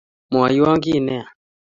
mwoiwo kei ni yaa